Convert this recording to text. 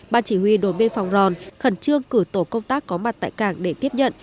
ban chỉ huy đồn biên phòng ròn khẩn trương cử tổ công tác có mặt tại cảng để tiếp nhận